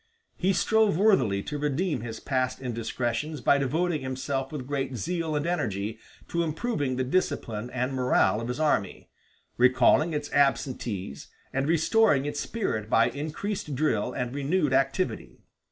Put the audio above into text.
He strove worthily to redeem his past indiscretions by devoting himself with great zeal and energy to improving the discipline and morale of his army, recalling its absentees, and restoring its spirit by increased drill and renewed activity.